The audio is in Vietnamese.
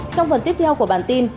trong phần tiếp theo của bản tin